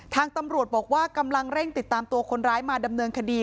ทางตำรวจบอกว่ากำลังเร่งติดตามตัวคนร้ายมาดำเนินคดี